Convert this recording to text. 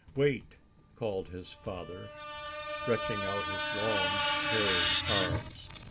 "Wait!" called his father, stretching out his long, hairy arms.